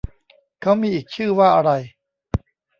เค้ามีอีกชื่อว่าอะไร